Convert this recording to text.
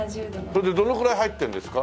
それでどのくらい入ってるんですか？